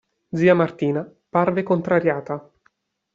Zia Martina parve contrariata.